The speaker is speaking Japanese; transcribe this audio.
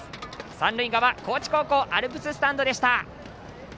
三塁側、高知高校アルプススタンドでした。